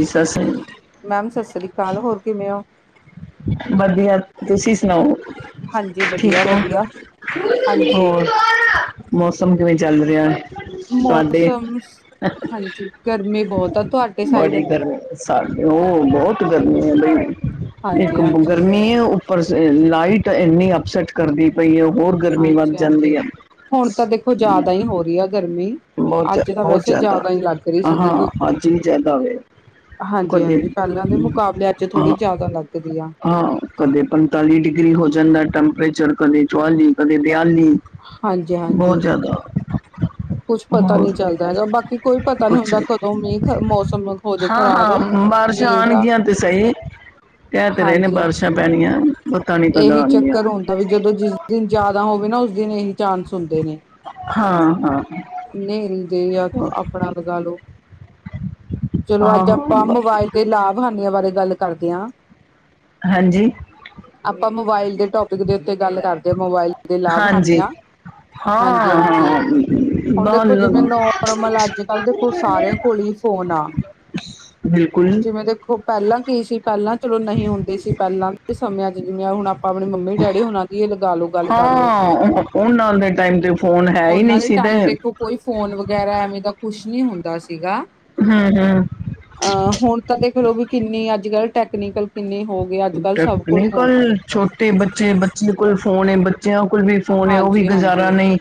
ਇਸਾ Singh. Ma'am ਸਤਿ ਸ੍ਰੀ ਅਕਾਲ। ਹੋਰ ਕਿਵੇਂ ਹੋ? ਵਧੀਆ। ਤੁਸੀਂ ਸੁਣਾਓ? ਹਾਂਜੀ ਠੀਕ ਵਧੀਆ ਹੋ ਵਧੀਆ ਹਾਂਜੀ ਹੋਰ। ਮੌਸਮ ਕਿਵੇਂ ਚੱਲ ਰਿਹਾ? ਤੁਹਾਡੇ ਮੌਸਮ ਹਾਂਜੀ। ਗਰਮੀ ਬਹੁਤ ਆ ਤੁਹਾਡੇ ਸਾਈਡ। ਸਾ ਉਹ ਬਹੁਤ ਗਰਮੀ ਹੈ ਲਈ ਹਾਂਜੀ ਇੱਕ ਹਾਂਜੀ ਗਰਮੀ ਹੈ ਉੱਪਰ ਲਾਈਟ ਇੰਨੀ ਅਪਸੈਟ ਕਰਦੀ ਪਈ ਹੈ। ਹੋਰ ਗਰਮੀ ਵੱਧ ਹਾਂਜੀ ਹਾਂਜੀ ਜਾਂਦੀ ਹੈ। ਹੁਣ ਤਾਂ ਦੇਖੋ ਜ਼ਿਆਦਾ ਹੀ ਹੋ ਰਹੀ ਹੈ ਗਰਮੀ। ਬਹੁਤ ਅੱਜ ਜ਼ਿਆ- ਤਾਂ ਬਹੁਤ ਵੈਸੇ ਜ਼ਿਆਦਾ ਹੀ ਲੱਗ ਰਹੀ ਸੀਗੀ। ਹਾਂ ਅੱਜ ਵੀ ਜ਼ਿਆਦਾ ਹੋਵੇ ਹਾਂਜੀ- ਕਦੇ ਹਾਂਜੀ। ਪਹਿਲਾਂ ਦੇ ਮੁਕਾਬਲੇ ਅੱਜ ਥੋੜ੍ਹੀ ਹਾਂ ਜਿਆਦਾ ਲੱਗਦੀ ਆ। ਹਾਂ। ਕਦੇ ਪੰਤਾਲੀ ਡਿਗਰੀ ਹੋ ਜਾਂਦਾ ਟੈਂਪਰੇਚਰ ਕਦੇ ਚੁਵੀ, ਕਦੇ ਦਿਆਲੀ। ਬਹੁਤ ਜ਼ਿਆਦਾ। ਕੁਛ ਪਤਾ ਨਹੀਂ ਹੋਰ ਚੱਲਦਾ ਹੈਗਾ ਬਾਕੀ ਕੋਈ ਪਤਾ ਨਹੀਂੀ ਕੁਛ ਹੁੰਦਾ ਕਦੋਂ ਵੀ ਮੌਸਮ ਹੋਜੇ ਹਾਂ ਖ਼ਰਾਬ। ਹਾਂ ਬਾਰਿਸ਼ਾਂ ਮੀਂਹ ਦਾ ਆਉਣਗੀਆਂ ਤੇ ਸਹੀ। ਕਹਿ ਤੇ ਰਹੇ ਨੇ ਹਾਂਜੀ ਬਾਰਿਸ਼ਾਂ ਹਾਂਜੀ ਪੈਣੀਆਂ। ਪਤਾ ਨਹੀਂ ਕਦੋਂ ਇਹੀ ਆਉਣਗੀਆਂ ਚੱਕਰ ਹੁੰਦਾ ਵੀ ਜਦੋਂ ਜਿਸ ਦਿਨ ਜਿਆਦਾ ਹੋਵੇ ਨਾ ਉਸ ਦਿਨ ਇਹੀ ਚਾਂਸ ਹੁੰਦੇ ਨੇ। ਹਾਂ- ਹਾਂ। ਨਿਲਦੇ ਜਾਂ ਆਪਣਾ ਲਗਾ ਲਓ। ਚਲੋ ਅੱਜ ਆਪਾਂ ਆਹੋ ਮੋਬਾਇਲ ਦੇ ਲਾਭ ਹਾਨੀਆਂ ਬਾਰੇ ਗੱਲ ਕਰਦੇ ਹਾਂ। ਹਾਂਜੀ। ਆਪਾਂ ਮੋਬਾਇਲ ਦੇ ਟੋਪਿਕ ਦੇ ਉੱਤੇ ਗੱਲ ਕਰਦੇ ਹਾਂ ਮੋਬਾਇਲ ਦੇ ਲਾਭ ਹਨ ਹਾਂਜੀ ਆ ਹਾਂਜੀ ਹਾਂ ਹਾਂਜੀ ਹਾਂ ਹੁਣ ਦੇਖੋ ਜਿਵੇਂ ਬਹੁਤ ਨੋਰਮਲ ਅੱਜ ਕੱਲ ਦੇਖੋ ਸਾਰਿਆਂ ਕੋਲ ਹੀ ਫੋਨ ਆ। ਬਿਲਕੁਲ। ਜਿਵੇਂ ਦੇਖੋ ਪਹਿਲਾਂ ਕੀ ਸੀ ਪਹਿਲਾਂ ਚਲੋ ਨਹੀਂ ਹੁੰਦੇ ਸੀ ਪਹਿਲਾਂ ਦੇ ਸਮਿਆਂ ਚ ਜਿਵੇਂ ਹੁਣ ਆਪ ਆਪਣੀ ਮੰਮੀ ਡੈਡੀ ਉਹਨਾਂ ਦੀ ਲਗਾ ਲੋੋ ਗੱਲ ਕਰਲੋ ਹਾਂ ਉਹਨਾਂ ਦੇ ਟਾਈਮ ਤੇ ਫੋਨ ਹੈ ਹੀ ਨਹੀਂ ਉਹਨਾਂ ਦੀ ਸੀ ਤੇ ਟਾਈਮ ਦੇਖੋ ਕੋਈ ਫੋਨ ਵਗੈਰਾ ਐਵੇਂ ਦਾ ਕੁਛ ਨੀ ਹੁੰਦਾ ਸੀਗਾ। ਹੁ ਹੁ। ਅ ਹੁਣ ਤਾਂ ਦੇਖ ਲਓ ਵੀ ਕਿੰਨੀ ਅੱਜ ਕੱਲ ਟੈਕਨੀਕਲ ਕਿੰਨੀ ਹੋ ਗਈ ਅੱਜ ਕੱਲ੍ਹ ਸਭ ਕੋਲ ਫੋਨ ਟੈਕਨੀਕਲ ਆ ਦੇਖੋ। ਛੋਟੇ ਬੱਚੇ ਬੱਚੇ ਕੋਲ ਫੋਨ ਏ ਬੱਚਿਆਂ ਕੋਲ ਵੀ ਫੋਨ ਉਹ ਵੀ ਹਾਂਜੀ, ਗੁਜ਼ਾਰਾ ਹਾਂਜੀ, ਨਹੀਂ।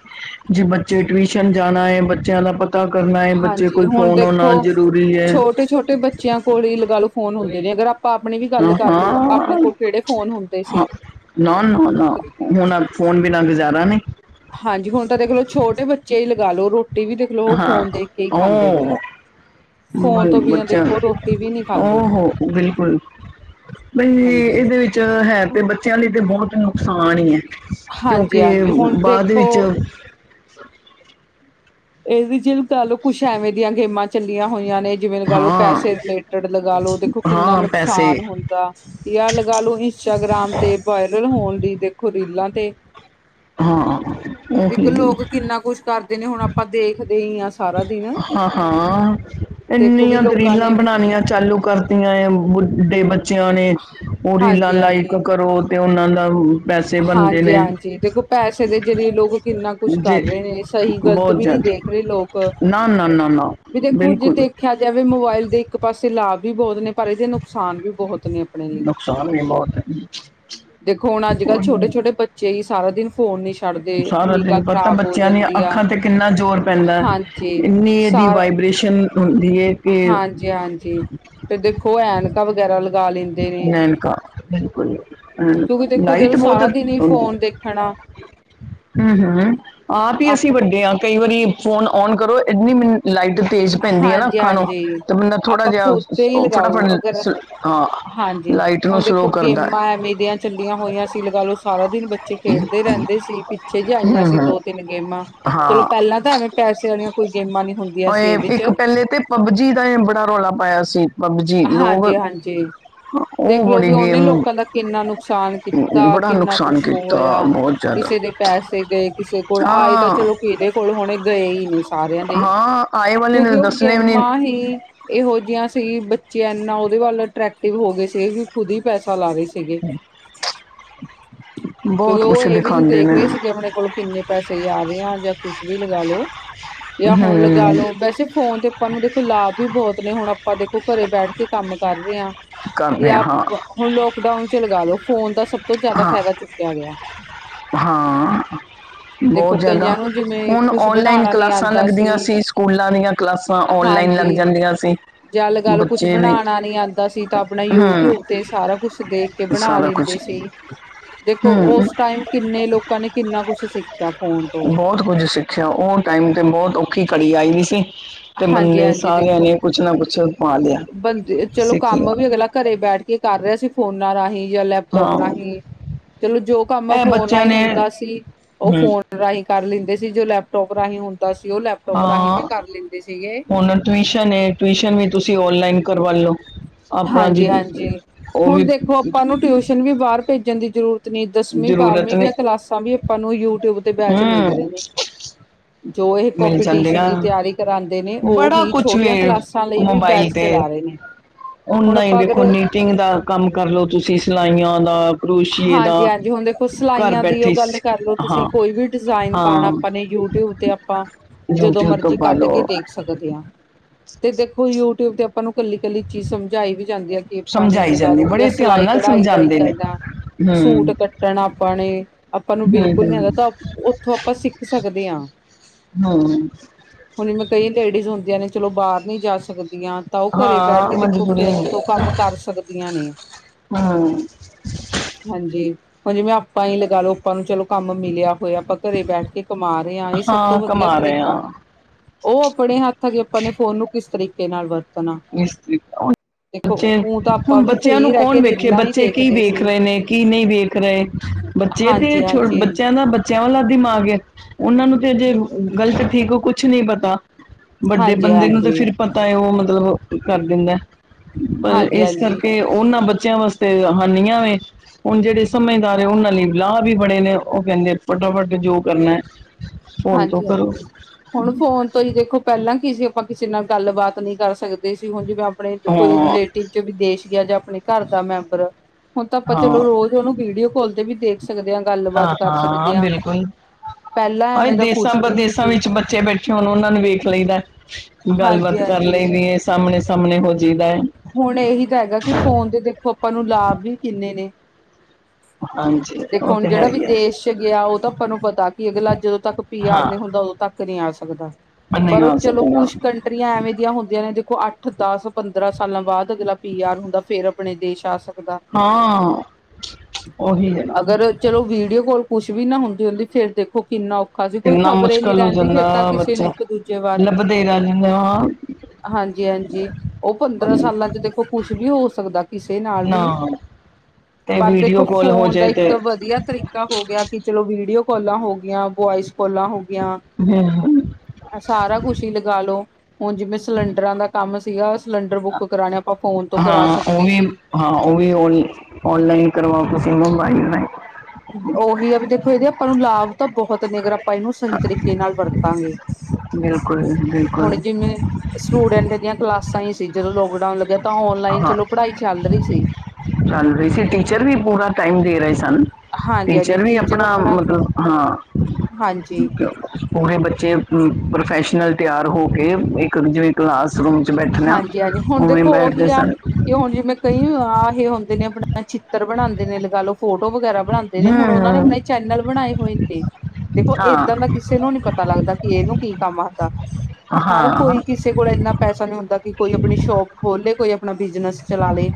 ਜੇ ਬੱਚੇ ਟਿਊਸ਼ਨ ਜਾਣਾ ਹੈ ਬੱਚਿਆਂ ਦਾ ਪ ਪਤਾ ਕਰਨਾ ਹੈ ਬੱਚੇ ਹਾਂਜੀ ਕੋਲ ਫ਼ੋਨ ਹੋਣਾ ਜ਼ਰੂਰੀ ਹੈ। ਛਟੇ ਬੱ ਬੱਚਿਆਂ ਕੋਲ ਹੀ ਅਲਗ ਫੋਨ ਹੋ ਗਏ ਨੇ। ਆਪਣੀ ਵੀ ਗੱਲ ਹਾਂ ਕਰਲੋ ਆਪਣੇ ਹਾਂ ਕੋਲ ਕਿਹੜੇ ਫੋਨ ਹੁੰਦੇ ਸੀ। ਹਾਂ, ਫ਼ੋਨ ਬਿਨਾਂ ਗੁਜ਼ਾਰਾ ਨੀ। ਹਾਂਜੀ ਹੁਣ ਤਾਂ ਦੇਖ ਲੋ ਛੋਟੇ ਬੱਚੇ ਹੀ ਲਗਾ ਲਓ ਰੋਟੀ ਵੀ ਦੇਖਲੋ ਉਹ ਹਾਂ ਫੋਨ ਦੇਖ ਕੇ ਹੀ ਖਾਂਦੇ ਨੇ। ਉਹ ਬ ਫੋਨ ਤੋਂ ਬਿਨਾਂ ਬੱਚਾ ਦੇਖੋ ਰੋਟੀ ਵੀ ਨਹੀਂ ਓ ਖਾਂਦੇ ਹੋ ਬਿਲਕੁਲ। ਬਈ ਹਾਂਜੀ, ਇਹਦੇ ਵਿੱਚ ਹੈ ਤੇ ਬੱਚਿਆਂ ਲਈ ਤੇ ਬਹੁਤ ਨੁਕਸਾਨ ਹੀ ਹੈ। ਹਾਂਜੀ, ਕਿਉਂਕਿ ਹਾਂਜੀ ਹੁਣ ਬਾਅਦ ਵਿੱਚ ਦੇਖੋ ਅਹਵੀ ਚ ਗੱਲ ਕੁਛ ਐਵੇਂ ਦੀਆਂ ਗੇਮਾਂ ਚੱਲੀਆਂ ਹੋਈਆਂ ਨੇ। ਜਿਵੇਂ ਲਗਾ ਲਓ ਹਾਂ ਪੈਸੇ ਰਿਲੇਟਡ ਲਗਾ ਲਓ ਦੇਖੋ ਕਿੰਨਾ ਹਾਂ ਪੈਸੇ ਨੁਕਸਾਨ ਹੁੰਦਾ। ਦਾ ਜਾਂ ਲਗ ਲੂ ਇੰਸਟਾਗ੍ਰਾਮ ਤੇ ਵਾਇਰਲ ਹੋਣ ਲਈ ਦੇਖੋ ਰੀਲਾਂ ਤੇ ਹਾਂ ਉਹੀ। ਨਾ ਕੁੱਛ ਕਰ ਨੇ ਹੁਣ ਆਪਾਂ ਦੇਖਦੇ ਹੀ ਆ। ਹਾਂ ਹਾਂ ਦੇਖੋ ਵੀ ਇੰਨੀਆਂ ਲੋਕਾਂ ਦਰੀਲਾਂ ਨੇ ਬਣਾਉਣੀਆਂ ਚਾਲੂ ਕਰ ਬੁਢੇ ਬੱਚਿਆਂ ਨੇ ਉਹ ਰੀਲਾਂ ਹਾਂਜੀ ਲਾਈਕ ਹਾਂਜੀ ਕਰੋ ਤੇ ਉਹਨਾਂ ਦਾ ਪੈਸੇ ਬਣਦੇ ਹਾਂਜੀ- ਨੇ ਹਾਂਜੀ ਦੇਖੋ ਪੈਸੇ ਦੇ ਜ਼ਰੀਏ ਲੋਕ ਕਿੰਨਾ ਕੁਛ ਕਰ ਜੇ ਰਹੇ ਨੇ ਸਹੀ ਗ਼ਲਤ ਬਹੁਤ ਵੀ ਨਹੀਂ ਜ਼ਿਆਦਾ ਦੇਖ ਵੇ ਲੋਕ ਨਾ ਨਾ ਨਾ ਨਾ [unintelligible] ਵੀ ਦੇਖੋ ਜੇ ਬਿਲਕੁਲ ਦੇਖ ਕੇਆ ਜਾਵੇ ਮੋਬਾਇਲ ਦੇ ਇੱਕ ਪਾਸੇ ਲਾਭ ਵੀ ਬਹੁਤ ਨੇ। ਪਰ ਇਹਦੇ ਨੁਕਸਾਨ ਵੀ ਬਹੁਤ ਨੇ ਆਪਣੇ ਲਈ। ਨੁਕਸਾਨ ਵੀ ਬਹੁਤ ਹੈ [unintelligible] ਦੇਖੋ ਹੁਣ ਅੱਜ-ਕੱਲ ਉਹੀ ਛੋਟੇ-ਛੋਟੇ ਬੱਚੇ ਹੀ ਸਾਰਾ ਦਿਨ ਫੋਨ ਨਈ ਛ ਸਾਰਾ ਦਿਨ ਪਤਾ ਬੱਚਿਆਂ ਦੀਆਂ ਆ ਅੱਖਾਂ ਤੇ ਕਿੰਨਾ ਜ਼ੋਰ ਪੈਂਦਾ ਏ। ਹਾਂਜੀ ਇੰਨੀ ਏਹਦੀ ਸਾਰ ਵਾਈਬ੍ਰੇਸ਼ਨ ਹੁੰਦੀ ਐ। ਹਾਂਜੀ ਹਾਂਜੀ ਫੇਰ ਦੇਖੋ ਐਨਕਾ ਵਗੈਰਾ ਲ ਐਨਕਾ ਬਿਲਕੁਲ ਕਿਉਂਕਿ ਦੇਖੋ ਲ-ਲਾਈਟ ਜਦੋਂ ਬਹੁਤ ਸਾਰਾ ਦਿਨ ਹੀ ਹੁੰਦੀ। ਫੋਨ ਦੇਖਣਾ [inaudible] ਹੁਮ ਹੁਮ ਆਪ ਹੀ ਅਸੀਂ ਵੱਡੇ ਹਾਂ ਕਈ ਵਾਰੀ ਫੋਨ ਨ ਕਰੋ ਏਨੀ ਮਿੰ ਲਾਈਟ ਤੇਜ਼ ਪੈਂਦੀ ਹੈ ਨਾ ਹਾਂਜੀ ਅੱਖਾਂ ਨੂੰ। ਹਾਂਜੀ ਤੇ ਬੰਦਾ ਥੋੜਾ ਆਪਾਂ ਜਿਹਾ ਖੁਦ ਤੇ ਹੀ ਲਗਾਓ ਫਟਾਫਟ ਅਗਰ ਹਾਂ ਹਾਂਜੀ। ਲਾਈਟ ਨੂੰ ਹੁਣ ਸਲੋ ਦੇਖੋ ਕਰਦਾ ਗੇਮਾਂ ਹੈ ਐਵੇਂ ਦੀਆਂ ਚੱਲੀਆਂ ਹੋਈਆਂ ਸੀ ਲਗਾ ਲਓ ਸਾਰਾ ਦਿਨ ਬੱਚੇ ਖੇਡਦੇ ਰਹਿੰਦੇ ਸੀ। ਪਿੱਛੇ ਜ ਆਈਆਂ ਹਮ ਸੀ ਹਮ ਦੋ ਤਿੰਨ ਗੇਮਾਂ ਚਲੋ ਹਾਂ ਪਹਿਲਾਂ ਤਾਂ ਐਵੇਂ ਪੈਸੇ ਵਾਲੀਆਂ ਕੋਈ ਗੇਮਾਂ ਨਹੀਂ ਹੁੰਦੀਆਂ ਸੀ। ਇਹਦੇ ਇੱਕ ਚ ਪਹਿਲੇ ਤੇ ਪਬਜੀ ਦਾ ਬੜਾ ਰੌਲਾ ਪਾਇਆ ਸੀ। ਪਬਜੀ ਲੋਕ ਹਾਂਜੀ-ਹਾਂਜੀ। ਉਹ ਦੇਖਲੋ ਬੜੀ ਵੀ ਉਹਨੇ ਗੇਮ ਲੋਕਾਂ ਦਾ ਕਿੰਨਾ ਨੁਕਸਾਨ ਕੀਤਾ ਬੜਾ ਕਿੰਨਾ ਕੁਝ ਨੁਕਸਾਨ ਕੀਤਾ ਹੋਇਆ ਬਹੁਤ ਜ਼ਿਆਦਾ ਕਿਸੇ ਦੇ ਪੈਸੇ ਗਏ ਕਿਸੇ ਕੋਲ ਆਏ ਤਾਂ ਹਾਂ ਚਲੋ ਕਿਹਦੇ ਕੋਲ ਹੁਣੇ ਗਏ ਹੀ ਨੇ ਸਾਰਿਆਂ ਦੇ। ਹਾਂ ਆਏ ਵਾਲੇ ਨੇ ਕਿਉਂਕਿ ਓਹ ਦੱਸਣੇ ਵੀ ਗੇਮਾ ਨਹੀਂ ਹੀ ਇਹੋ ਜਿਹੀਆਂ ਸੀ ਬੱਚੇ ਇਨਾ ਉਹਦੇ ਵੱਲ ਐਕਟਰਤਿਵੇ ਹੋ ਗਏ ਸੀ ਵੀ ਖੁਦ ਹੀ ਪੈਸਾ ਲਾਵੇ। ਸੀਗੇ ਕਿਉਂਕਿ ਬਹੁਤ ਉਹ ਕੁਛ ਇਹ ਵੀ ਨਹੀਂ ਦਿਖਾਉਂਦੇ ਦੇਖ ਨੇ ਰਹੇ ਸੀਗੇ ਆਪਣੇ ਕੋਲ ਕਿੰਨੇ ਪੈਸੇ ਆ ਰੇ ਆ ਜਾਂ ਕੁਛ ਵੀ ਲਗਾ ਲੋ ਯਾ ਹੁਣ ਲਗਾ ਹਮ ਲੋ ਵੈਸੇ ਫੋਨ ਤੇ ਸਾਨੂੰ ਦੇਖੋ ਲਾਭ ਵੀ ਬਹੁਤ ਨੇ, ਹੁਣ ਆਪਾਂ ਦੇਖੋ ਘਰੇ ਬੈਠ ਕੇ ਕੰਮ ਕਰ ਰਹੇ ਹਾਂ, ਤੇ ਕਰਦੇ ਹਾਂ ਆਪ ਹੁਣ ਲੋਕਡਾਊਨ 'ਚ ਲਗਾ ਲਓ ਫੋਨ ਦਾ ਸਭ ਤੋਂ ਜ਼ਿਆਦਾ ਹਾਂ ਫਾਇਦਾ ਚੁੱਕਿਆ ਗਿਆ। ਹਾਂ, ਬਹੁਤ ਦੇਖੋ ਜ਼ਿਆਦਾ। ਕਈਆਂ ਨੂੰ ਜਿਵੇਂ ਹੁਨ ਕੁਛ ਓਨਲਾਈਨ ਬਣਾਉਣਾ ਨੀ ਕਲਾਸਾਂ ਆਉਂਦਾ ਲੱਗਦੀਆਂ ਸੀ, ਸਕੂਲਾਂ ਦੀਆਂ ਕਲਾਸਾਂ ਓਨਲਾਈਨ ਲੱਗ ਜਾਂਦੀਆਂ ਸੀ। ਜਾ ਲਗਾ ਲਓ ਕੁਛ ਬੱਚੇ ਵੀ ਬਣਾਣਾ ਨੀ ਆਂਦਾ ਸੀ ਤਾਂ ਆਪਣਾ ਹੂੰ ਯੂਟਿਊਬ ਤੇ ਸਾਰਾ ਕੁਛ ਦੇਖ ਕੇ ਬਣਾ ਸਾਰਾ ਕੁਝ ਲੈਂਦੇ ਸੀ, ਦੇਖੋ ਹੂੰ ਉਸ ਟਾਈਮ ਕਿੰਨੇ ਲੋਕਾਂ ਨੇ, ਕਿੰਨਾ ਕੁਛ ਸਿੱਖਿਆ। ਫੋਨ ਤੋਂ ਬਹੁਤ ਕੁੱਝ ਸਿੱਖਿਆ ਉਹ ਟਾਈਮ ਤੇ, ਬਹੁਤ ਔਖੀ ਘੜੀ ਆਈ ਦੀ ਸੀ। ਤੇ ਹਾਂਜੀ ਬੰਦੇ ਹਾਂਜੀ ਸਾਰਿਆਂ ਦੇਖੋ ਨੇ ਕੁਛ ਨਾ ਕੁਛ ਪਾ ਲਿਆ, ਬੰਦੇ ਚਲੋ ਸਿੱਖ ਲੇਆ। ਕੰਮ ਵੀ ਅਗਲਾ ਘਰੇ ਬੈਠ ਕੇ ਕਰ ਰਹੇ ਸੀ ਫੋਨਾਂ ਰਾਹੀਂ ਯਾ ਲੈ ਲੈਪਟੋਪ ਹਾਂ ਰਾਹੀਂ, ਚਲੋ ਜੋ ਕੰਮ ਇਹ ਫੋਨ ਬੱਚਿਆਂ ਰਾਹੀਂ ਨੇ ਹੁੰਦਾ ਸੀ ਉਹ ਹੂੰ ਫੋਨ ਰਾਹੀਂ ਕਰ ਲੈਂਦੇ ਸੀ, ਜੋ ਲੈਪਟੋਪ ਰਾਹੀਂ ਹੁੰਦਾ ਸੀ ਉਹ ਲੈਪਟੋਪ ਰਾਹੀਂ ਵੀ ਕਰ ਲੈਂਦੇ ਸੀਗੇ। ਓਨਾ ਨੂੰ ਟਿਊਸ਼ਨ ਏ ਟਿਊਸ਼ਨ ਵੀ ਤੁਸੀਂ ਔਨਲਾਈਨ ਕਰਵਾ ਲੋ। ਹਾਂਜੀ -ਹਾਂਜੀ, ਹੁਣ ਦੇਖੋ ਆਪਾਂ ਨੂੰ ਟਿਊਸ਼ਨ ਵੀ ਬਾਹਰ ਭੇਜਣ ਦੀ ਜ਼ਰੂਰਤ ਜਰੂਰਤ ਨਹੀਂ ਦਸਵੀਂ ਜ਼ਰੂਰਤ -ਬਾਰਵੀਂ ਨਹੀਂ ਦੀਆਂ ਕਲਾਸਾਂ ਵੀ ਆਪਾਂ ਨੂੰ ਯੂਟਿਊਬ ਤੇ ਬੈਚ ਮਿਲ ਹੂੰ ਰਹੀ ਏ। ਜੋ ਏਹ ਮਿਲ ਕੋਂਪੀਟੀਸ਼ਨ ਜਾਂਦੀਆਂ ਦੀ ਤਿਆਰੀ ਕਰਾਂਦੇ ਨੇ ਬੜਾ ਓਹੀ ਕੁਝ ਛੋਟੀਆਂ ਵੇ ਕਲਾਸਾਂ ਲਈ ਵੀ ਬੈਚ ਚਲਾ ਰਹੇ ਨੇ। ਹੁਣ ਓਨਲਾਇਨ ਹੀ ਆਪਾਂ ਦੇਖੋ ਅਗਰ ਮਿਟਿੰਗ ਦਾ ਕੰਮ ਕਰਲੋ ਤੁਸੀਂ, ਸਿਲਾਈਆਂ ਦਾ। ਕਰੋਸ਼ੀਏ ਦਾ ਹਾਂਜੀ- ਹਾਂਜੀ, ਹੁਣ ਦੇਖੋ ਘਰ ਸਿਲਾਈਆਂ ਦੀ ਉਹ ਬੈਠੇ ਗੱਲ ਸ- ਕਰ ਲਓ, ਤੁਸੀਂ ਹਾਂ ਕੋਈ ਵੀ ਡਿਜ਼ਾਇਨ ਪਾਣਾ ਹਾਂ ਆਪਾਂ ਨੇ ਯੂਟਿਊਬ ਤੇ ਆਪਾਂ ਜਦੋਂ ਤੋਂ ਮਰਜ਼ੀ ਪਾ ਕੱਢ ਕੇ ਲਓ ਦੇਖ ਸਕਦੇ ਹਾਂ, ਤੇ ਦੇਖੋ ਯੂਟਿਊਬ ਤੇ ਆਪਾਂ ਨੂੰ ਕੱਲੀ- ਕੱਲੀ ਚੀਜ਼ ਸਮਝਾਈ ਵੀ ਜਾਂਦੀ ਐ। ਏਪਾਂ ਨੇ ਸਮਝਾਈ ਲਗਾ ਜਾਂਦੀ ਲੋ, ਯਾ ਬੜੇ ਧਿਆਨ ਸਿਲਾਈ ਨਾਲ -ਕਢਾਈ ਦਾਈ ਸਮਝਾਉਂਦੇ ਨੇ ਕਰਨਾ ਹੂੰ ਸੂਟ ਕੱਟਣ ਆਪਾਂ ਨੇ। ਆਪਾਂ ਨੂੰ ਹੂੰ ਬਿਲਕੁਲ ਨੀ ਆਂਦਾ ਤਾਂ, ਉੱਥੋਂ ਆਪਾਂ ਸਿੱਖ ਸਕਦੇ ਆਂ। ਹੂੰ। ਹੁਣ ਇਵੇਂ ਕਈ ਲੇਡੀਜ਼ ਹੁੰਦੀਆਂ ਨੇ, ਚਲੋ ਬਾਹਰ ਨੀ ਜਾ ਸਕਦੀਆਂ। ਤਾਂ ਓਹ ਘਰੇ ਬੈਠ ਹਾਂ ਕੇ ਦੇਖੋ ਮਜਬੂਰੀ ਫੋਨ ਹੁੰਦੀ ਤੋਂ ਕੰਮ ਕਰ ਸਕਦੀਆਂ ਨੇਂ। ਹਾਂ। ਹਾਂਜੀ, ਹੁਣ ਜਿਵੇਂ ਆਪਾਂ ਹੀ ਲਗਾ ਲਓ ਆਪਾਂ ਨੂੰ ਚਲੋ ਕੰਮ ਮਿਲਿਆ ਹੋਇਆ, ਆਪਾਂ ਘਰੇ ਬੈਠ ਕੇ ਕਮਾ ਰਹੇ ਆਂ, ਇਹ ਸਭ ਤੋਂ ਹਾਂ ਵਧੀਆਂ ਕਮਾ ਰਹੇ ਤਰੀਕਾ। ਹਾਂ ਉਹ ਆਪਣੇ ਹੱਥ ਆਗੇ ਆਪਾਂ ਨੇ ਫੋਨ ਨੂੰ ਕਿਸ ਤਰੀਕੇ ਨਾਲ ਵਰਤ ਇਸ ਤਰੀ ਬੱਚੇ ਊ ਤਾਂ ਆਪਾਂ ਹੁਣ ਵੀ ਬੱਚਿਆਂ ਨੂੰ ਫ੍ਰਰੀ ਰਹਿ ਕੌਣ ਕੇ ਵੇਖੇ ਰੀਲਾਂ ਹੀ ਬੱਚੇ ਕੀ ਦੇਖਦੇ ਵੇਖ ਸੀ ਰਹੇ ਨੇ ਕੀ ਨਹੀਂ ਵੇਖ ਰਹੇ ਬੱਚੇ ਤੇ ਹਾਂਜੀ ਛੋ ਹਾਂਜੀ ਹਾਂਜੀ ਬੱਚਿਆਂ ਦਾ ਬੱਚਿਆਂ ਵਾਲਾ ਦਿਮਾਗ ਉਹਨਾਂ ਨੂੰ ਤੇ ਅਜੇ ਗ਼ਲਤ ਠੀਕ ਹੋ ਕੁਛ ਨੀ ਪਤਾ ਵੱਡੇ ਬੰਦੇ ਨੂੰ ਤਾਂ ਹਾਂਜੀ ਫਿਰ ਪਤਾ ਹੈ ਉਹ ਮਤਲਬ। ਕਰ ਦਿੰਦਾ ਪਰ ਹਾਂਜੀ ਇਸ ਹਾਂਜੀ ਕਰਕੇ ਉਹਨਾਂ ਬੱਚਿਆਂ ਵਾਸਤੇ ਹਾਨੀਆਂ ਵ ਹੁਣ ਜਿਹੜੇ ਸਮਝਦਾਰ ਉਹਨਾਂ ਲਈ ਵਿਲਾਾਹ ਵੀ ਬਣੇੇ ਨੇ ਉਹ ਕਹਿੰਦੇ ਫਟਾਫਟ ਜੋ ਕਰਨਾ ਫੋਨ ਤੋਂ ਹਾਂਜੀ, ਕਰੋ ਹਾਂਜੀ ਹੁਣ ਫੋਨ ਤੋਂ ਹੀ ਦੇਖੋ ਪਹਿਲਾਂ ਕੀ ਸੀ ਆਪਾਂ ਕਿਸੇ ਨਾਲ ਗੱਲਬਾਤ ਨਹੀਂ ਕਰ ਸਕਦੇ ਸੀ ਹੁਣ ਜਿਵੇਂ ਆਪਣੇ ਕੋਈ ਹਾਂ ਰਿਲੇਟ ਚ ਵਿਦੇਸ਼ ਗਿਆ ਜਾਂ ਆਪਣੇ ਘਰ ਦਾ ਮੈਂਬਰ ਹੁਣ ਤਾਂ ਆਪਾਂ ਚਲੋ ਹਾਂ ਰੋਜ਼ ਉਹਨੂੰ ਵੀਡੀਓ ਕਾੱਲ ਤੇ ਵੀ ਦੇਖ ਸਕਦੇ ਹਾਂ, ਗੱਲਬਾਤ ਕਰ ਸਕਦੇ ਹਾਂ, ਪਹਿਲਾਂ ਐਵੇਂ ਅੱਜ ਦਾ ਦੇਸਾਂ ਕੁਛ ਵੀ ਨਹੀਂ -ਵਦੇਸਾਂ ਸੀ ਵਿੱਚ ਬੱਚੇ ਬੈਠੇ ਹੋਣ ਉਹਨਾਂ ਨੂੰ ਵੇਖ ਲਈਦਾ ਹਾਂਜੀ ਗੱਲਬਾਤ ਕਰ ਹਾਂਜੀ ਲਈ ਦੀ ਏ। ਤਾ ਆਮਣੇ- ਸਾਹਮਣੇ ਹੋ ਜਾਇਦਾ ਏ। ਹੁਣ ਏਹੀ ਤਾਂ ਹੈਗਾ ਕਿ ਫੋਨ ਦੇ ਦੇਖੋ ਆਪਾਂ ਨੂੰ ਲਾਭ ਵੀ ਕਿੰਨੇ ਨੇ। ਹਾਂਜੀ [inaudible] ਦੇਖੋ ਉਹ ਹੁਣ ਤੇ ਹੈ ਜਿਹੜਾ ਵੀ ਹੀ ਹੈ ਦੇਸ਼ 'ਚ ਗਿਆ ਓਹ ਤਾਂ ਆਪਾਂ ਨੂੰ ਪਤਾ ਕਿ ਅਗਲਾ ਜਦੋਂ ਤੱਕ ਹਾਂ ਯਾਰ ਨਹੀਂ ਹੁੰਦਾ ਉਦੋਂ ਤੱਕ ਨਹੀਂ ਆ ਸਕਦਾ, ਨਹੀਂ ਪਰ ਉਹ ਆ ਚਲੋ ਸਕਦਾ ਕੁਛ ਤ ਕੰਟਰੀਆਂ ਐਵੇਂ ਦੀਆਂ ਹੁੰਦੀਆਂ ਨੇ ਦੇਖੋ ਅੱਠ, ਦਸ, ਪੰਦਰਾਂ ਸਾਲਾਂ ਬਾਅਦ ਅਗਲਾ ਪੀ -ਆਰ ਹੁੰਦਾ, ਫੇਰ ਆਪਣੇ ਦੇਸ਼ ਆਸ ਹਾਂ, [unintelligible] ਓਹੀ ਹੈ ਨਾ। ਅਗਰ ਚਲੋ ਵੀਡੀਓ ਕੋਲ ਕੁਛ ਵੀ ਨਾ ਹੁੰਦੀ ਹੁੰਦੀ ਫੇਰ ਦੇਖੋ ਕਿੰਨਾ ਓ [unintelligible] ਸੀ ਕੋਈ ਕਿੰਨਾ ਖ਼ਬਰੇ ਨੀ ਮੁਸ਼ਕਲ ਹੋ ਰਹਿੰਦੀ ਫੇਰ ਜਾਂਦਾ ਤਾਂ ਕਿਸੇ ਨੂੰ ਬੱਚਾ ਇੱਕ ਦੂਜੇ ਬਾਰੇ। ਲੱਭਦੇ ਹੀ ਰਹਿ ਜਾਂਦੇ ਹਾਂ [inaudible] ਹਾਂਜੀ- ਹਾਂਜੀ ਉਹ ਪੰਦਰਾਂ ਬੰ- ਸਾਲਾਂ 'ਚ ਦੇਖੋ ਕੁਛ ਵੀ ਹੋ ਸਕਦਾ ਕਿਸੇ ਨਾਲ ਵੀ। ਨਾ ਤੇ ਪਰ ਦੇਖੋ ਵੀਡੀਓ ਕਾਲ ਹੋ ਫੋਨ ਦਾ ਜਾਏ ਤੇ ਇੱਕ ਵਧੀਆ ਤਰੀ ਹੋ ਗਿਆ ਕਿ ਚਲੋ ਵੀਡੀਓ ਕਾਲਾਂ ਹੋ ਗੀਆਂ ਵੋਇਸ ਕੋਾਲਾਂ ਹੋ ਗਿਆ ਹਮ। ਸਾਰਾ ਕੁਛ ਹੀ ਲਗਾਾਲੋ ਹੁਣ ਜਿਵੇਂ ਸਿਲੰਡਰਾਂ ਦਾ ਕੰਮ ਸੀਗਾ ਸਿਲੰਡਰ ਬੁੱਕ ਕਰਾਉਣੇ ਆਪਾਂ ਫੋਨ ਤੋਂ ਕਰਾ ਹਾਂ ਉਹ ਸਕਦੇ ਵੀ ਸੀ। ਹਾਂ ਉਹ ਵੀ ਔਨ ਔਨਲਾਈਨ ਕਰਵਾ ਤੁਸੀਂ ਮੰਬਾਈਲ ਲ ਉਹੀ ਆ ਵੀ ਦੇਖੋ ਇਹਦੇ ਆਪਾਂ ਨੂੰ ਲਾਭ ਤਾਂ ਬਹੁਤ ਨੇ ਅਗਰਾਂ ਆਪਾਂ ਇਹਨੂੰ ਸਹੀ ਤਰੀਕੇ ਨਾਲ ਵਰਤਾਂਗੇ ਬਿਲਕੁਲ ਬਿਲਕੁਲ ਹੁਣ ਜਿਵੇਂ ਸਟੂਡੈਂਟ ਦੀਆਂ ਕਲਾਸਾਂ ਹੀ ਸੀ ਜਦੋਂ ਲੋਕਡਾਊਨ ਲੱਗਿਆ ਤਾਂ ਔਨਲਾਈਨ ਹਾਂ ਚਲੋ ਪੜ੍ਹਾਈ ਚੱਲ ਰਹੀ ਸੀ। ਚੱਲ ਰਹੀ ਸੀ ਟੀਚਰ ਵੀ ਪੂਰਾ ਟਾਈਮ ਦੇ ਰਹੇ ਸਨ। ਟੀਚਰ ਵੀ ਆਪਣਾ ਮਤਲਬ ਹਾਂ ਹਾਂਜੀ ਪੂਰੇ ਬੱਚੇ ਪ੍ਰੋਫੈਸ਼ਨਲ ਤਿਆਰ ਹੋ ਕੇ। ਇੱਕ ਜਿਂ ਕਲਾਸਰੂਮ ਚ ਬੈਠਣਾ ਹਾਂਜੀ ਹਾਂਜੀ ਹੁਣ ਉਵੇਂ ਦੇਖੋ ਉਹੀ ਬੈਠਦੇ ਆ ਸਨ। ਕਿ ਹੁਣ ਜਿਵੇਂ ਕਈ ਆ ਇਹ ਹੁੰਦੇ ਨੇ ਆਪਣਾ ਚਿੱਤਰ ਬਣਾਉਂਦੇ ਨੇ ਲਗਾ ਲਓ ਫੋਟੋ ਵਗੈਰਾ। ਬਣਾਉਂਦੇ ਨੇ ਹੂੰ ਹੁਣ ਉਹਨਾਂ ਨੇ ਹੂੰ, ਆਪਣੇ ਚੈਨਲ ਬਣਾਏ ਹੋਏ ਨੇ ਦੇਖੋ ਏਦਾਂ ਦਾ ਹਾਂ ਕਿਸੇ ਨੂੰ ਨੀ ਪਤਾ ਲੱਗਦਾ ਇਹਨੂੰ ਕੀ ਕੰਮ ਆਦਾ ਹਾਂ ਹਰ ਕੋਈ ਹਾਂ ਕਿਸੇ ਕੋਲ ਇੰਨਾ ਪੈਸਾ ਨਹੀਂੀ ਹੁੰਦਾ ਕਿ ਕੋਈ ਆਪਣੀ ਸ਼ੋਪ ਖੋਲੇ ਕੋਈ। ਆਪਣਾ ਬਿਜ਼ਨਸ ਚਲਾ ਲਏ।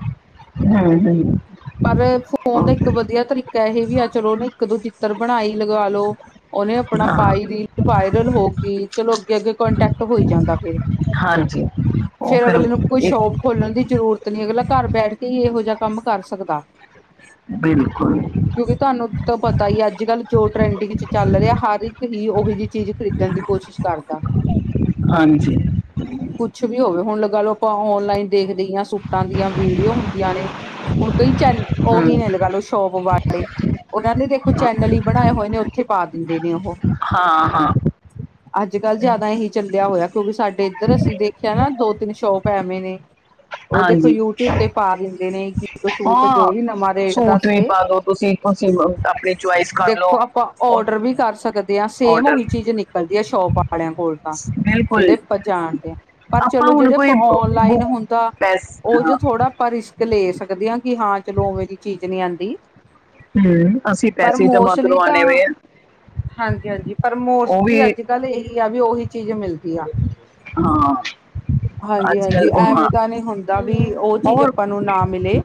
ਹੂੰ ਹੂੰ ਪਰ ਫੋਨ ਦਾ ਇੱਕ ਓਕੇ ਵਧੀਆ ਤਰੀਕਾ ਇਹ ਵੀ ਆ ਚਲੋ ਉਹਨ ਇੱਕ ਦੋ ਚਿੱਤਰ ਬਣਾਈ ਲਗਾ ਲੋ। ਉਹਹਨੇ ਆਪਣਾ ਹਾਂ ਪਾਈ ਰੀਲ ਵਾਇਰਲ ਹੋ ਕੇ ਚਲੋ ਅੱਗੇ ਅੱਗੇ ਕੋਂਟੈਕਟ ਹੋਈ ਜਾਂਦਾ ਫਿਰ। ਹਾਂਜੀ। ਉਹ ਫੇਿਰ ਫਿਰ ਅਗਲੇ ਨੂੰ ਕੋਈ ਇੱਕ ਸ਼ੋਪ ਖੋਲਣ ਦੀ ਜ਼ਰੂਰਤ ਨਹੀਂ। ਅਗਲਾ ਘਰ ਬੈਠ ਕੇ ਹੀ ਇਹੋ ਜਿਹਾ ਕੰਮ ਕਰ ਸਕਦਾ। ਬਿਲਕੁਲ। ਕਿਉਂਕਿ ਤੁਹਾਨੂੰ ਤਾਂ ਪਤਾ ਹੀ ਅੱਜ ਕੱਲ ਜੋ ਟਰੈਂਡਿੰਗ ਚ ਚੱਲ ਰਿਹਾ ਹਰ ਇੱਕ ਹੀ ਉਹੋ ਜਿਹੀ ਚੀਜ਼ ਖਰੀਦੀ। ਣ ਦੀ ਕੋਸ਼ਿਸ਼ ਕਰਦਾ। ਹਾਂਜੀ। ਕੁਛ ਵੀ ਹੋਵੇ ਹੁਣ ਲਗਾ ਲਓ ਆਪਾਂ ਔਨਲਾਈਨ ਦੇਖਦੇ ਹਾਂ ਸੂਟਾਂ ਦੀਆਂ ਵੀਡੀਓ ਹੁੰਦੀਆਂ ਨੇ। ਹੁਣ ਕਈ ਚ ਹੂੰ ਉਹੀ ਨੇ ਲਗਾ ਲੋ ਸ਼ੋਪ ਵਾਲੇ। ਉਹਨਾਂ ਨੇ ਦੇਖੋ ਚੈਨਲ ਹੀ ਬਣਾਏ ਹੋਏ ਨੇ ਉੱਥੇ ਪਾ ਦਿੰਦੇ ਨੇ ਉਹ। ਹਾਂ ਹਾਂ। ਅੱਜ ਕੱਲ੍ਹ ਜ਼ਿਆਦਾ ਇਹੀ ਚੱਲਿਆ ਹੋਇਆ ਕਿਉਂਕਿ ਸਾਡੇ ਇੱਧਰ ਅਸੀਂ ਦੇਖਿਆ ਨਾ ਦੋ ਤਿੰਨ ਸ਼ੋਪ ਐਵੇਂ ਨੇ ਉਹ ਦੇਖੋ ਹਾਂਜੀ ਯੂਟਿਊਬ ਤੇ ਪਾ ਲਿੰਦੇ ਨੇ ਕਿ ਇੱਕ ਸੂਟ ਹਾਂ ਜੋ ਵੀ ਨਵਾਂ ਰੇਟ ਸੂਟ ਦੱਸ ਵੀ ਕੇ। ਪਾ ਦੋ ਤੁਸੀਂ ਤੁਸੀਂ ਆਪਣੀ ਚੁਆਇਸ ਕਰ ਲਓ ਦੇਖੋ ਆਪਾਂ ਔਡਰ ਵੀ ਕਰ ਸਕਦੇ ਹਾਂ ਸੇਮ ਆਰਡਰ ਉਹੀ ਚੀਜ਼ ਨ ਲਦੀਆ ਸ਼ੋਪ ਵਾਲਿਆਂ ਕੋਲ ਤਾਂ ਬਿਲਕੁਲ ਜਿਹੜੇ ਪਾਣ ਪਰ ਆਪਾਂ ਚਲੋ ਹੁਣ ਜਿਹੜੇ ਕੋਈ ਔਨਲਾਈਨ ਬੁੱਕ ਹੁੰਦਾ ਪੈਸ ਉਹ ਹਾਂ, ਜੋ ਥੋੜਾ ਪਰ ਲੈ ਸਕਦੇ ਹਾਂ ਕਿ ਹਾਂ ਚਲੋ ਉਵੇਂ ਦੀ ਚੀਜ਼ ਨਹੀਂ ਆਉਂਦੀ। ਹਮ, ਅਸੀਂ ਪਰ ਪੈਸੇ ਜਮ੍ਹਾਂ ਮੋਸਲੀ ਤਾਂ ਕਰਵਾਣੇ ਵੇ ਆ। ਹਾਂਜੀ ਹਾਂਜੀ ਪਰ ਉਹ ਵੀ ਮੋਸਲੀ ਅੱਜ। ਗੱਲ ਇਹੀ ਆ ਵੀ ਉਹੀ ਚੀਜ਼ ਮਿਲ ਹਾਂ। ਹਾਂਜੀ ਅੱਜ ਕੱਲ ਹਾਂਜੀ ਉਹ ਹਾਂ ਐਵੇਂ ਤਾਂ ਨਹੀਂ ਹੁੰਦਾ ਵੀ ਉਹ ਚੀਜ਼ ਹੋਰ ਆਪਾਂ ਨੂੰ ਨਾ ਮਿਲੇ।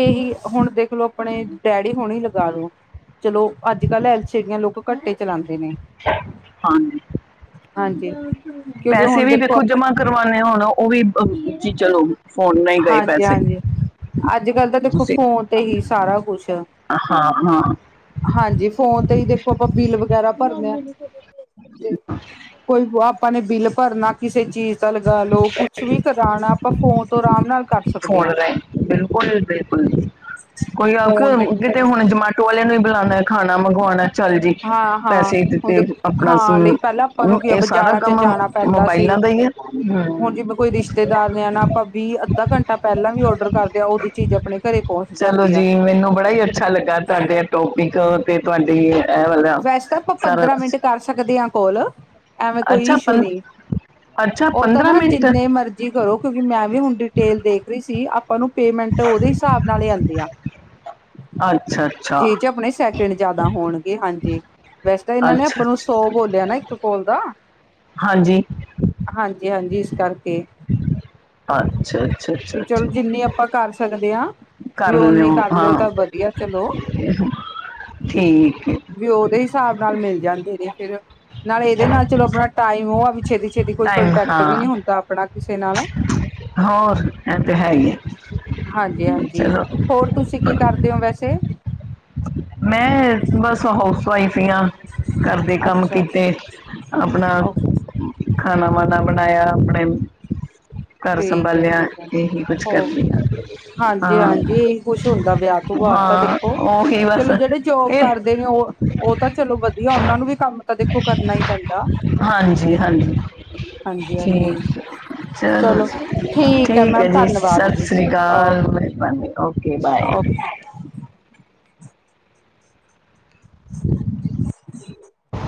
ਇਹੀ ਹੁਣ ਦੇਖਲੋ ਆਪਣੇ ਡੈਡੀ ਹੁਣੇ ਹੀ ਲਗਾ ਲੋ। ਚਲੋ ਅੱਜ ਕੱਲ੍ਹ ਐਲ ਸ਼ੇਰੀਆਂ ਲੋਕ ਘੱਟੇ ਚਲਾਉਂਦੇ ਨੇ। ਹਾਂਜੀ। ਹਾਂਜੀ। ਕਿਉਂਕਿ ਪੈਸੇ ਹੁਣ ਵੀ ਦੇਖੋ ਜਮਾ ਕਰਵਾਉਦੇ ਹੋਣ ਉਹ ਵੀ ਜੀ ਚਲੋ ਫੋਨ ਨਾਲ ਗਏ ਪੈਸੇ। ਅੱਜ ਕਲ ਤਾਂ ਦੇਖੋ ਤੁਸੀਂ ਫੋਨ ਤੇ ਹੀ ਸਾਰਾ ਕੁਛ। ਹਾਂ ਹਾਂ ਹਾਂਜੀ। ਫੋਨ ਤੇ ਹੀ ਦੇਖੋ ਆਪਾਂ ਬਿੱਲ ਵਗੈਰਾ ਭਰਦੇ ਹਾਂ। ਤੇ ਕੋਈ ਆਪਾਂ ਨੇ ਬਿੱਲ ਭਰਨਾ। ਕਿਸੇ ਚੀਜ਼ ਦਾ ਲਗਾ ਲੋ ਕੁੱਛ ਵੀ ਕਰਾਉਣਾ ਆਪਾਂ ਫੋਨ ਤੋਂ ਆਰਾਮ ਨਾਲ ਕਰ ਸਕਦੇ ਫੋਨ ਹਾਂ ਰਹੇ ਬਿਲਕੁਲ ਜੀ ਬਿਲਕੁਲ ਜੀ ਕੋਈ ਆ ਫੋਨ ਦੇ ਕੇ ਤੇ ਹੁਣ ਜਮਾਟੋ ਵਾਲਿਆਂ ਨੂੰ ਵੀ ਬੁਲਾਉਣਾ। ਖਾਣਾ ਮੰਗਵਾਉਣਾ ਚੱਲ ਜੀ ਹਾਂ-ਹਾਂ ਪੈਸੇ ਹੁਣ ਦਿੱਤੇ ਦੇ ਆਪਣਾ ਖਾਣ ਲਈ ਪਹਿਲਾਂ ਆਪਾਂ ਨੂੰ ਕੀ ਆ ਇਹ ਸਾਰਾ ਬਾਜ਼ਾਰਾਂ ਚ ਕੰਮ ਜਾਣਾ ਪੈਂਦਾ ਮੋਬਾਇਲਾਂ ਸੀ। ਦਾ ਹੀ ਹੈ ਹਮ। ਹੁਣ ਜਿਵੇਂ ਕੋਈ ਰਿਸ਼ਤੇਦਾਰ ਨੇ ਨਾ ਆਪਾਂ ਵੀਹ ਅੱਧਾ ਘੰਟਾ ਪਹਿਲਾਂ ਵੀ ਔਡਰ ਕਰ ਗਿਆ ਆ ਉਹਦੀ ਚੀਜ਼ ਆਪਣੇ ਘਰੇ ਪਹੁੰਚ ਚਲੋ ਜਾਂਦੀ ਆ ਜੀ ਮੈਨੂੰ ਬੜਾ ਹੀ ਅੱਛਾ ਲੱਗਾ ਤੁਹਾਡੇ ਟੋਪਿਕ ਤੇ ਤੁਹਾਡੀ ਵਾਲਾ ਵੈਸੇ ਤਾਂ ਆਪਾਂ ਸਾਰਾ ਪੰਦਰਾਂ ਕੁਛ ਮਿੰਟ ਕਰ ਸਕਦੇ ਹਾਂ ਕੋਲ ਐਵੇਂ ਕੋਈ ਅੱਛਾ ਇਸ਼ੂ ਪੰ ਨਹੀਂ ਅੱਛਾ ਉਹ ਤਾਂ ਨਾ ਮਿੰਟ ਜਿੰਨੇ ਮਰਜ਼ੀ ਜੀ ਕਰੋ ਕਿਉਂਕਿ ਮੈਂ ਵੀ ਹੁਣ ਡਿਟੇਲ ਦੇਖ ਰਹੀ ਸੀ ਆਪਾਂ ਨੂੰ ਪੇਮੈਂਟ ਉਹਦੇ ਹਿਸਾਬ ਨਾਲ ਹੀ ਆਉਂਦੀ ਆ ਅੱਛਾ ਅੱਛਾ ਜੇ ਜੇ ਆਪਣੇ ਸੈ ਕਿਣ ਜਿਆਦਾ ਹੋਣਗੇ ਹਾਂਜੀ ਵੈਸੇ ਤਾਂ ਇਹਨਾਂ ਨੇ ਅੱਛਾ ਆਪਾਂ ਨੂੰ ਅੱਛਾ ਸੌ ਬੋਲਿਆ ਨਾ ਇੱਕ ਕੋਲ ਦਾ ਹਾਂਜੀ। ਹਾਂਜੀ ਹਾਂਜੀ ਇਸ ਕਰਕੇ ਹਮ ਵੀ ਚਲੋ ਜਿੰਨੀ ਆਪਾਂ ਕਰ ਸਕਦੇ ਹਾਂ। ਕਰ ਵੀ ਉਹ ਨੀ ਲਿਓ ਕਰ ਹਾਂ ਲ ਤਾਂ ਵਧੀਆ ਚਲੋ। ਠੀਕ ਵੀ ਉਹਦੇ ਹਿਸਾਬ ਨਾਲ ਮਿਲ ਜਾਂਦੇ ਨੇ ਫੇਰ ਨਾਲ ਇਹਦੇ ਨਾਲ ਚਲੋ ਆਪਣਾ ਟਾਈਮ ਉਹ ਆ ਵੀ। ਛੇਤੀ ਛੇਤੀ ਕੋਈ ਟਾਈਮ ਕੰਟੈਕਟ ਵੀ ਹਾਂ ਨਹੀਂ ਹੁੰਦਾ ਆਪਣਾ ਕਿਸੇ ਨਾਲ। ਹੋਰ ਇਹ ਤੇ ਹੈ ਹੀ ਹੈ। ਹਾਂਜੀ ਹਾਂਜੀ ਚਲੋ ਹੋਰ ਤੁਸੀਂ ਕੀ ਕਰਦੇ ਹੋ ਵੈਸੇ ਮੈਂ ਬਸ ਹਾਊਸ ਵਾਈਫ ਸੀ ਹਾਂ। ਕਰਦੇ ਕੰਮ ਅੱਛਾ ਅੱਛਾ ਕੀਤੇ ਆਪਣਾ। ਓ ਖਾਣਾ ਵਣਾ ਬਣਾਇਆ ਆਪਣੇ। ਘਰ ਠੀਕ ਹੈ ਸੰਭਾਲਿਆ ਇਹੀ ਕੁਝ ਕਰਦੀ ਹਾਂ। ਹਾਂਜੀ-ਹਾਂਜੀ, ਹਾਂ ਇਹੀ ਕੁੱਛ ਹੁੰਦਾ ਵਿਆਹ ਤੋਂ ਬਾਅਦ ਤਾਂ ਹਾਂ ਦੇਖੋ, ਉਹੀ ਬਸ ਚਲੋ ਜਿਹੜੇ ਜੋਬ ਇਹ ਕਰਦੇ ਨੇ, ਉਹ-ਉਹ ਤਾਂ ਚਲੋ ਵਧੀਆ ਉਹਨਾਂ ਨੂੰ ਵੀ ਕੰਮ ਤਾਂ ਦੇਖੋ ਕਰਨਾ ਹੀ ਪੈਂਦਾ। ਹਾਂਜੀ-ਹਾਂਜੀ, ਹਾਂਜੀ ਹੋਰ ਹਾਂਜੀ ਚਲੋ ਜੀ, ਠੀਕ ਹੈ ਮੈਮ ਜੀ, ਧੰਨਵਾਦ ਸਤਿ ਜੀ ਸ਼੍ਰੀ ਓ ਅਕਾਲ, ਮਿਹਰਬਾਨੀ। Okay, bye. [unintelligible] ਹਾਂ